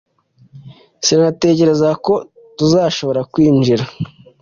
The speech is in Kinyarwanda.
sinatekerezaga ko tuzashobora kwinjira